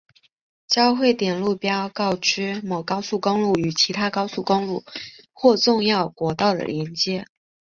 交汇点路标告知某高速公路与其他高速公路或重要国道的连接。